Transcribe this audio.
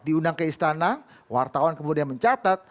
diundang ke istana wartawan kemudian mencatat